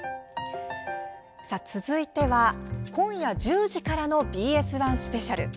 続いては、今夜１０時からのＢＳ１スペシャル。